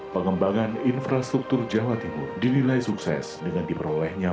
pengembangan infrastruktur jawa timur dinilai sukses dengan diperolehnya